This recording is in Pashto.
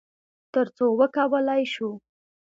تر څو وکولی شو،